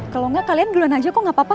kalo gak kalian duluan aja kok gapapa